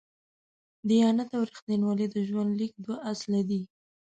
دیانت او رښتینولي د ژوند لیک دوه اصله دي.